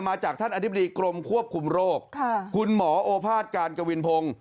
มาจากท่านอธิบดีกรมควบคุมโรคคุณหมอโอภาษการกวินพงศ์